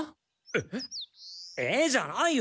「えっ？」じゃないよ。